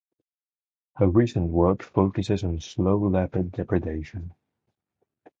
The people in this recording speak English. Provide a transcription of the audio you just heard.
Her recent work focuses on slow leopard depredation.